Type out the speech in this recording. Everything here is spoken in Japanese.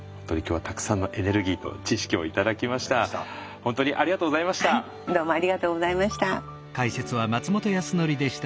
はいどうもありがとうございました。